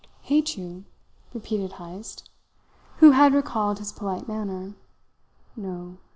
"Hate you?" repeated Heyst, who had recalled his polite manner. "No!